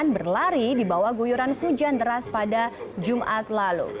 sma negeri satu melongo jepara berlari di bawah guyuran hujan deras pada jumat lalu